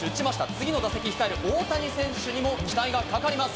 次の打席に控える大谷選手にも期待がかかります。